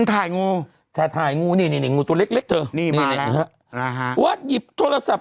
ถ่ายงูถ่ายงูนี่นี่นี่งูตัวเล็กเล็กเถอะนี่มาแล้วนะฮะว่ายิบโทรศัพท์